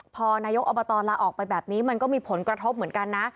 พอนายกอบตลาออกไปแบบนี้มันก็มีผลกระทบเหมือนกันนะ